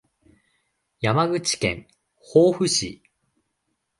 山口県防府市